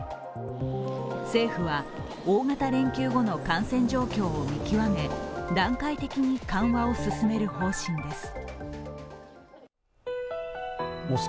政府は大型連休後の感染状況を見極め、段階的に緩和を進める方針です。